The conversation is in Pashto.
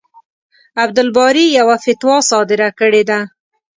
عبدالباري يوه فتوا صادره کړې ده.